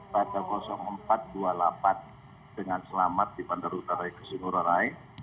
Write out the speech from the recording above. pada empat dua puluh delapan dengan selamat di bandara utara igusti ngurah rai